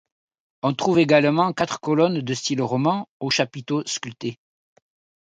On trouve également quatre colonnes de style roman aux chapiteaux sculptés.